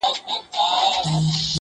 له مايې ما اخله_